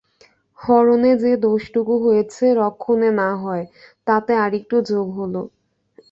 হরণে যে দোষটুকু হয়েছে রক্ষণে না-হয় তাতে আর-একটু যোগ হল।